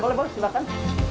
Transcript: boleh boleh silahkan